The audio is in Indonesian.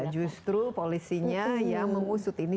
justru polisinya yang mengusut ini